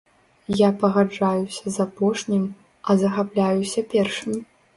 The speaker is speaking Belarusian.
Я пагаджаюся з апошнім, а захапляюся першым.